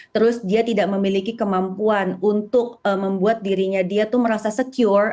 terus dia tidak memiliki kemampuan untuk membuat dirinya dia tuh merasa secure